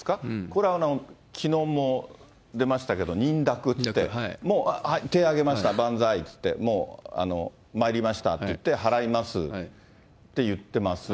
これ、きのうも出ましたけど認諾って、手挙げました、万歳っていって、もう参りましたって言って払いますって言ってます。